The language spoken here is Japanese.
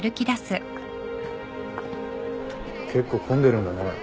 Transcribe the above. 結構混んでるんだね。